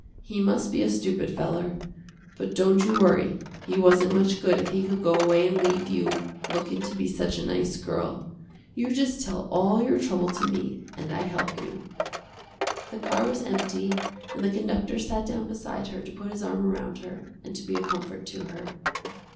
He must be a stupid feller. But don't you worry, he wasn't much good if he could go away and leave you, lookin' to be such a nice girl. You just tell all your trouble to me, and I help you." The car was empty and the conductor sat down beside her to put his arm around her, and to be a comfort to her.